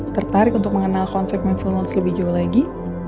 tertarik untuk mengenal konsep mindfulness lebih jauh lagi